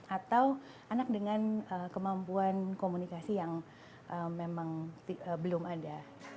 atau anak dengan kemampuan komunikasi yang memang belum ada